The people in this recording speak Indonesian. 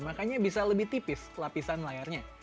makanya bisa lebih tipis lapisan layarnya